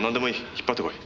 引っ張ってこい。